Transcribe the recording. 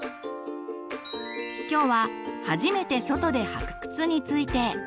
今日は初めて外で履く靴について。